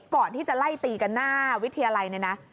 ก่อนที่จะไล่ตีกันหน้าวิทยาลัยเนี่ยนะ